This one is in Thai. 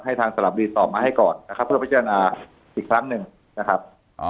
ทางสลับดีตอบมาให้ก่อนนะครับเพื่อพิจารณาอีกครั้งหนึ่งนะครับ